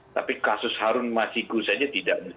tapi kasus harun masiku saja tidak